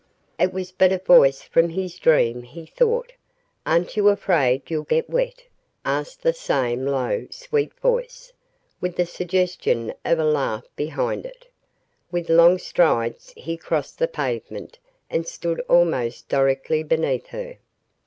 It was but a voice from his dream, he thought. "Aren't you afraid you'll get wet?" asked the same low, sweet voice, with the suggestion of a laugh behind it. With long strides he crossed the pavement and stood almost directly beneath her.